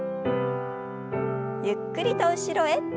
ゆっくりと後ろへ。